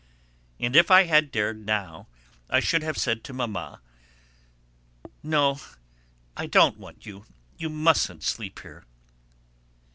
And if I had dared now, I should have said to Mamma: "No, I don't want you; you mustn't sleep here."